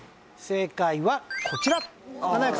正解はこちら！